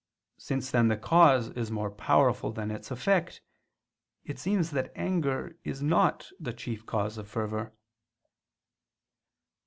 Since then the cause is more powerful than its effect, it seems that anger is not the chief cause of fervor.